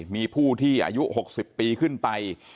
มีผู้ที่อายุ๖๐ปีขึ้นไป